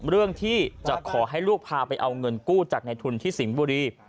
เรื่องที่จะขอให้ลูกพาไปเอาเงินกู้จากในทุนที่สิงห์บุรี